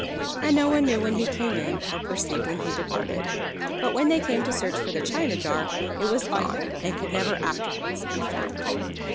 And no one knew when he came in, nor perceived when he departed. But when they came to search for the china jar, it was gone, and could never afterwards be found.